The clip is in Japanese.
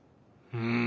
うん。